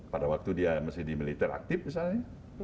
pada waktu dia masih di militer aktif misalnya